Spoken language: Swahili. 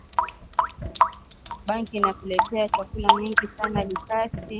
Bunkeya inaletaka chakula mingi sana likasi